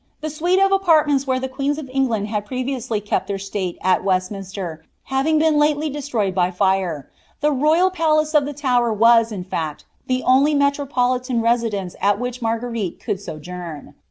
The suite of apartments where the queens of England had previously kept their state at Westminster liaTing been lately d/estroyed by Are, the royal palace of the Tower was, in (act, the only metropolitan residence at which Marguerite could so^ jouni.'